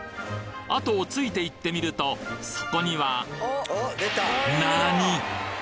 後をついて行ってみるとそこにはなに！？